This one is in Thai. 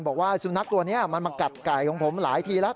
บอกว่าสุนัขตัวนี้มันมากัดไก่ของผมหลายทีแล้ว